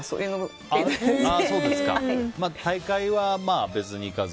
大会は別に行かず？